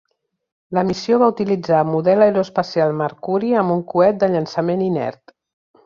La missió va utilitzar model aeroespacial Mercury amb un coet de llançament inert.